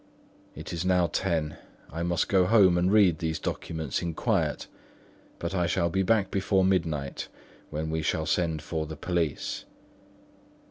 It is now ten; I must go home and read these documents in quiet; but I shall be back before midnight, when we shall send for the police."